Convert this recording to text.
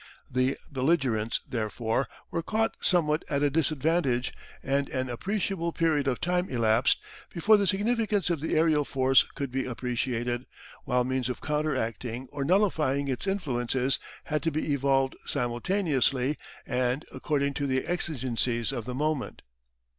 The belligerents, therefore, were caught somewhat at a disadvantage, and an appreciable period of time elapsed before the significance of the aerial force could be appreciated, while means of counter acting or nullifying its influences had to be evolved simultaneously, and according to the exigencies of the moment.